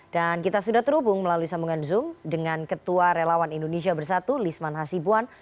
dan kita sudah terhubung melalui sambungan zoom dengan ketua relawan indonesia bersatu lisman hasibuan